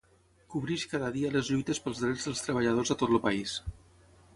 Cobreix cada dia les lluites pels drets dels treballadors a tot el país.